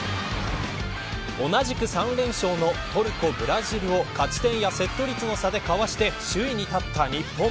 同じく３連勝のトルコ、ブラジルを勝ち点やセット率の差でかわして首位に立った日本。